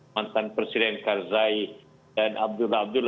mantan presiden karzai dan abdul abdullah